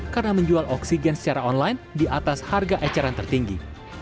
karena menjual oksigen secara online di atas harga ecaran tertinggi